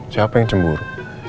siapa yang cemburu